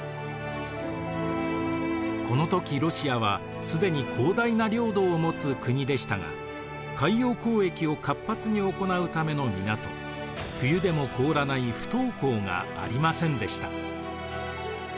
この時ロシアは既に広大な領土を持つ国でしたが海洋交易を活発に行うための港冬でも凍らない不凍港がありませんでした。